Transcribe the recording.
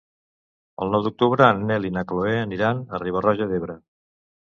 El nou d'octubre en Nel i na Chloé aniran a Riba-roja d'Ebre.